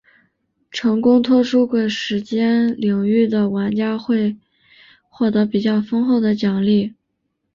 成功脱出鬼时间领域的玩家会获得比较丰厚的奖励。